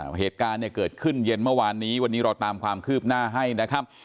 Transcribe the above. เหตุการณ์เนี่ยเกิดขึ้นเย็นเมื่อวานนี้วันนี้เราตามความคืบหน้าให้นะครับ